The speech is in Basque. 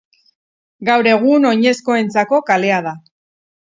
Gaur egun oinezkoentzako kalea da.